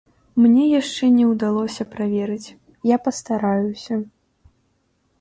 Мне яшчэ не ўдалося праверыць, я пастараюся.